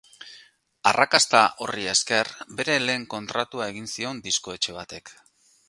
Arrakasta horri esker, bere lehen kontratua egin zion diskoetxe batek.